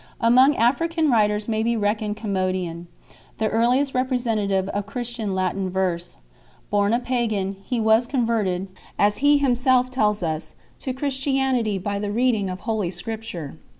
Among African writers may be reckoned Commodian 4 , the earliest representative of Christian Latin verse. Born a pagan, he was converted, as he himself tells us, to Chris tianity by the reading of Holy Scripture.